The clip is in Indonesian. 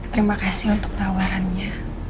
terima kasih untuk tawarannya